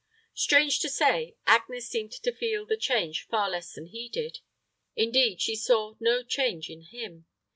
Strange to say, Agnes seemed to feel the change far less than he did. Indeed, she saw no change in him.